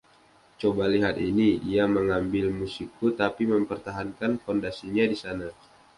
Coba lihat ini, ia mengambil musikku tapi mempertahankan fondasinya di sana.